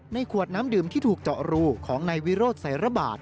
ขวดน้ำดื่มที่ถูกเจาะรูของนายวิโรธใส่ระบาด